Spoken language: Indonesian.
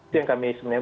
itu yang kami